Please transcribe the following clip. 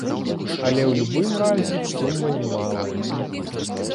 Але ў любым разе сума не малая.